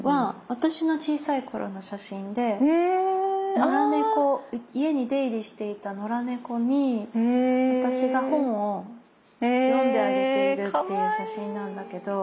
野良猫家に出入りしていた野良猫に私が本を読んであげているっていう写真なんだけど。